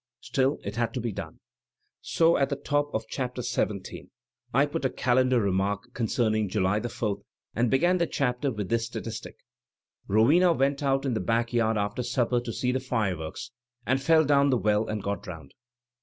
StiU it had to be done. So, at the top of Chapter XVII, I put a * Calendar* remark concerning July the Fourth, and began the chapter with this statistic: "* Rowena went out in the back yard after supper to see the fireworks and fell down the well and got drowned.